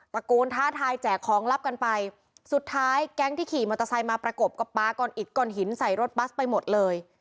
ตะโกนท้าทายแจกของลับกันไปสุดท้ายแก๊งที่ขี่มอเตอร์ไซค์มาประกบกับปลาก้อนอิดก้อนหินใส่รถบัสไปหมดเลย